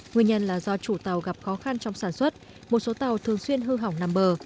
nguyên nhân là do chủ tàu gặp khó khăn trong sản xuất một số tàu thường xuyên hư hỏng nằm bờ